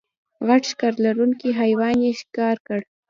غټ ښکر لرونکی حیوان یې ښکار کړ.